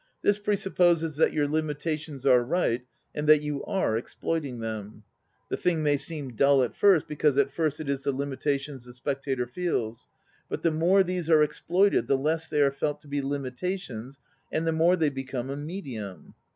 This presupposes that your limitations are right and that you are exploiting them. The thing may seem dull at first because at first it is the limitations the spectator feels; but the more these are exploited the less they are felt to be limitations, and the more they become a medium.